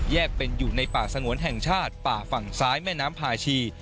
เป็นอยู่ในป่าสงวนแห่งชาติป่าฝั่งซ้ายแม่น้ำพาชี